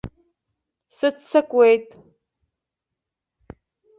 Сыццакуеит!